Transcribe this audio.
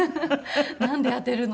「なんで当てるの？」